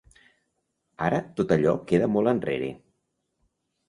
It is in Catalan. Ara tot allò queda molt enrere.